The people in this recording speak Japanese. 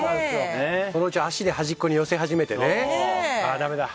そのうち足で端っこに寄せ始めてね。